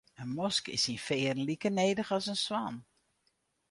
In mosk is syn fearen like nedich as in swan.